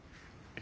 え？